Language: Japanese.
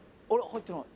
入ってない」